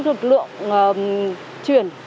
lực lượng chuyển